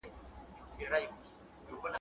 چي له لستوڼي څخه وشړو ماران وطنه `